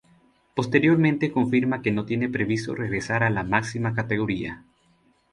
Posteriormente confirma que no tiene previsto regresar a la máxima categoría.